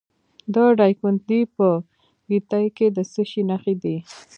د دایکنډي په ګیتي کې د څه شي نښې دي؟